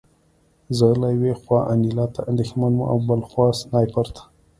زه له یوې خوا انیلا ته اندېښمن وم او بل خوا سنایپر ته